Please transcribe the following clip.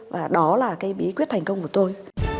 và đó là cái bí quyết thành công của tôi